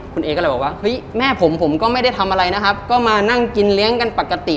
คุณเอก็เลยบอกว่าเฮ้ยแม่ผมผมก็ไม่ได้ทำอะไรนะครับก็มานั่งกินเลี้ยงกันปกติ